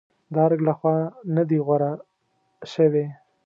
د ارګ لخوا نه دي غوره شوې.